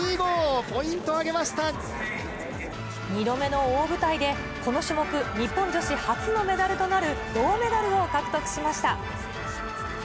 ２度目の大舞台で、この種目、日本女子初のメダルとなる、銅メダルを獲得しました。